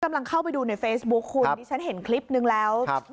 กำลังเข้าไปดูในเฟซบุ๊คคุณดิฉันเห็นคลิปนึงแล้ว